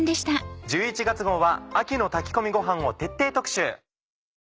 １１月号は秋の炊き込みごはんを徹底特集。